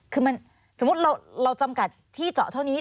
คือมันสมมุติเราจำกัดที่เจาะเท่านี้